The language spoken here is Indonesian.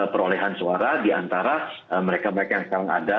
perolehan suara di antara mereka mereka yang sekarang ada